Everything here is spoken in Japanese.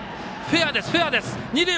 フェアです！